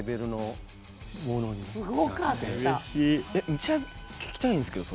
めちゃ聴きたいんですけど。